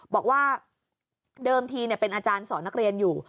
บอกว่าเดิมทีเป็นอาจารย์สอนนักเรียนอยู่